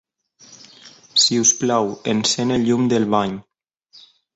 Si us plau, encén el llum del bany.